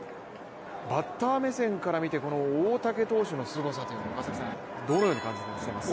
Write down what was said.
バッター目線から見て大竹投手のすごさどのように感じていますか？